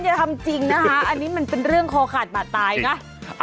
อย่าทำจริงนะคะอันนี้มันเป็นเรื่องคอขาดบาดตายนะ